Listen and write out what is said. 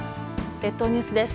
列島ニュースです。